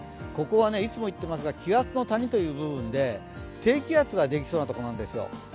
ここはいつも言っていますが、気圧の谷という部分で低気圧ができそうな所なんですよ。